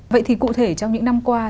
vậy thì cụ thể trong những năm qua